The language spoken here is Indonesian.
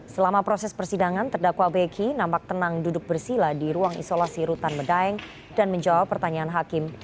selama proses persidangan terdakwa beki nampak tenang duduk bersila di ruang isolasi rutan medaeng dan menjawab pertanyaan hakim